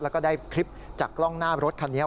แล้วก็ได้คลิปจากกล้องหน้ารถคันนี้